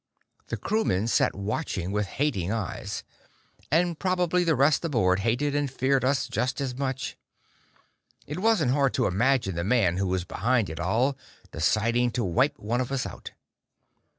The crewmen sat watching with hating eyes. And probably the rest aboard hated and feared us just as much. It wasn't hard to imagine the man who was behind it all deciding to wipe one of us out.